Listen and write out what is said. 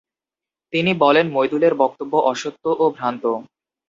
তিনি বলেন, মইদুলের বক্তব্য অসত্য ও ভ্রান্ত।